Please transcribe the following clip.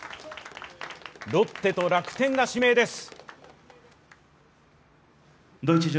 ロッテと楽天が指名です。